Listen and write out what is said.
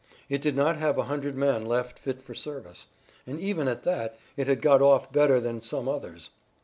It did not have a hundred men left fit for service, and even at that it had got off better than some others.